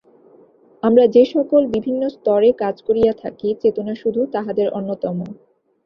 আমরা যে-সকল বিভিন্ন স্তরে কাজ করিয়া থাকি, চেতনা শুধু তাহাদের অন্যতম।